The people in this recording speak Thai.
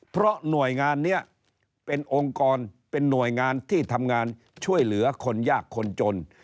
เพราะหน่วยงานนี้เป็นองค์กรเป็นหน่วยงานที่ทำงานช่วยเหลือคนยากคนจน